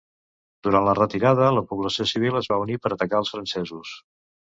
Durant la retirada, la població civil es va unir per atacar els francesos.